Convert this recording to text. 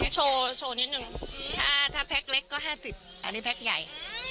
โชว์โชว์นิดหนึ่งอืมถ้าแพ็คเล็กก็ห้าสิบอันนี้แพ็คใหญ่